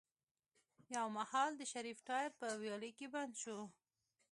يو مهال د شريف ټاير په ويالې کې بند شو.